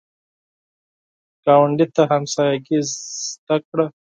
ګاونډي ته همسایګي زده کړه